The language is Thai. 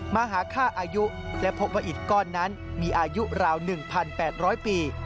มาหาค่าอายุและพบว่าอิดก้อนนั้นมีอายุราว๑๘๐๐ปี